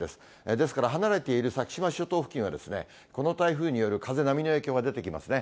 ですから離れている先島諸島付近は、この台風による風、波の影響が出てきますね。